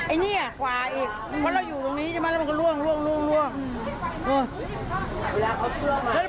ไอ้เนี่ยขวาอีกเพราะเราอยู่ตรงนี้จะมาแล้วมันก็ล่วง